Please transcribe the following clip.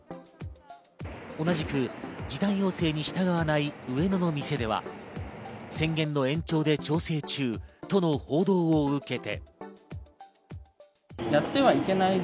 同じく時短要請に従わない上野の店では、宣言の延長で調整中との報道を受けて。